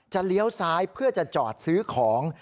เลี้ยวซ้ายเพื่อจะจอดซื้อของ